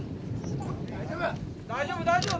大丈夫大丈夫！